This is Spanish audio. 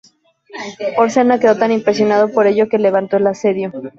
Porsena quedó tan impresionado por ello, que levantó el asedio.